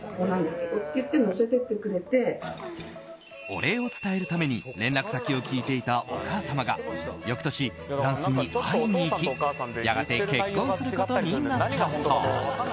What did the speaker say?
お礼を伝えるために連絡先を聞いていたお母様が翌年フランスに会いに行きやがて結婚することになったそう。